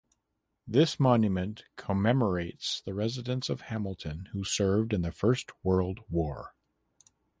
This monument commemorates the residents of Hamilton who served in the First World War.